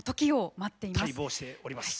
待望しております。